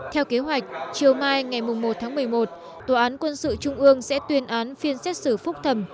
theo kế hoạch chiều mai ngày một tháng một mươi một tòa án quân sự trung ương sẽ tuyên án phiên xét xử phúc thẩm